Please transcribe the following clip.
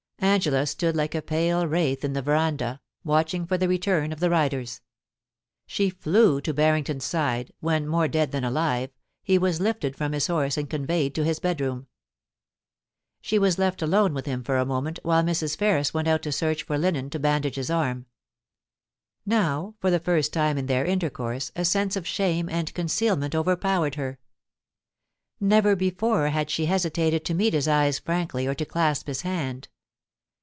Angela stood like a pale wraith in the verandah, watching for the return of the riders. She flew to Barrington's side, when, more dead than alive, he was lifted from his horse and conveyed to his bedroom. She was left alone with him for a moment, while Mrs. Ferris went out to search for linen to bandage his arm. Now, for the first time in their intercourse, a sense of shame and concealment overpowered her. Never before had she hesitated to meet his eyes frankly or to clasp his hand.